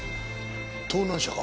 盗難車か？